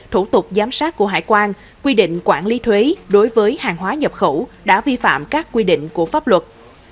thủ tục giám sát của hải quan quy định quản lý thuế đối với hàng hóa nhập khẩu đã vi phạm các quy định của pháp luật